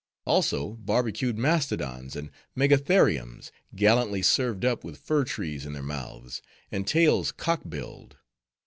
Also barbacued mastodons and megatheriums, gallantly served up with fir trees in their mouths, and tails cock billed.